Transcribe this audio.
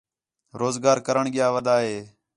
روزگار کرݨ ڳِیا ودّا ہے